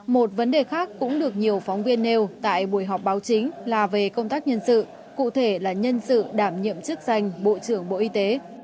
một vấn đề khác cũng được nhiều phóng viên nêu tại buổi họp báo chính là về công tác nhân sự cụ thể là nhân sự đảm nhiệm chức danh bộ trưởng bộ y tế